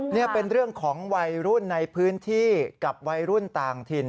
นี่เป็นเรื่องของวัยรุ่นในพื้นที่กับวัยรุ่นต่างถิ่น